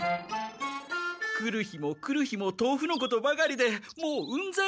来る日も来る日もとうふのことばかりでもううんざりして。